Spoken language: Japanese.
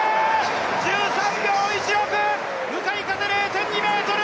１３秒１６、向かい風０．２メートル。